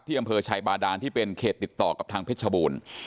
อำเภอชัยบาดานที่เป็นเขตติดต่อกับทางเพชรบูรณ์